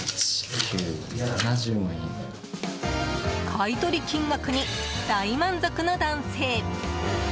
買取金額に大満足の男性。